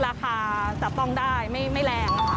ราคาจะป้องได้ไม่แรง